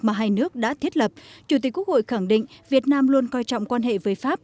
mà hai nước đã thiết lập chủ tịch quốc hội khẳng định việt nam luôn coi trọng quan hệ với pháp